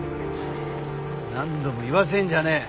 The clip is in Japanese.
何度も言わせんじゃねえ。